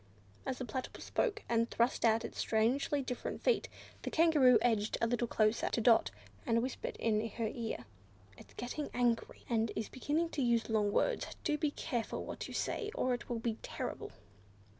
As the Platypus spoke, and thrust out its strangely different feet, the Kangaroo edged a little closer to Dot and whispered in her ear. "It's getting angry, and is beginning to use long words; do be careful what you say or it will be terrible!"